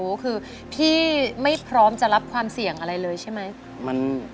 ก็คือพี่ไม่พร้อมจะรับความเสี่ยงอะไรเลยใช่ไหม